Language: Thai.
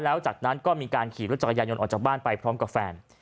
แล้วจากนั้นก็มีการขี่รถจักรยานยนต์ออกจากบ้านไปพร้อมกับแฟน